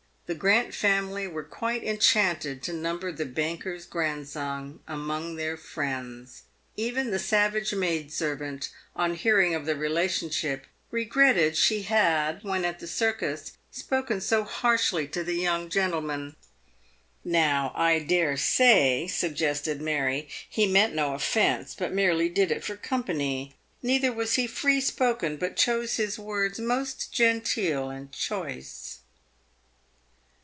The Grant family were quite en chanted to number the banker's grandson among their friends. Even the savage maid servant, on hearing of the relationship, regretted she had, when at the circus, spoken so harshly to the young gentle man. " Now, I dare say," suggested Mary, " he meant no offence, but merely did it for company. Neither was he free spoken, but chose his words most genteel and choice."